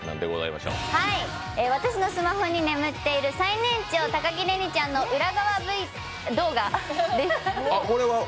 私のスマホに眠っている最年長・高城れにちゃんの裏側Ｖ動画です。